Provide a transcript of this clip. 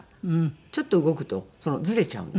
ちょっと動くとずれちゃうんで。